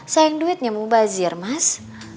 sayang duitnya mubazir mas